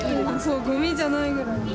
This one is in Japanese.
ごみじゃないみたい。